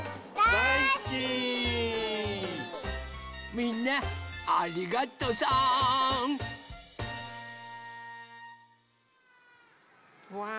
みんなありがとさん！